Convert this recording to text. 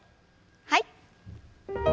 はい。